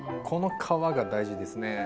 この皮が大事ですね。